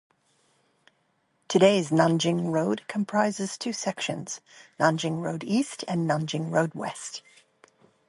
Today's Nanjing Road comprises two sections, Nanjing Road East and Nanjing Road West.